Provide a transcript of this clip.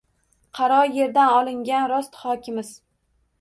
Qaro yerdan olingani rost xokimiz.